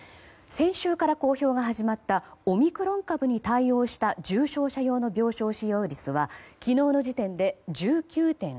先週から公表が始まったオミクロン株に対応した重症者用の病床使用率は昨日の時点で１９．３％。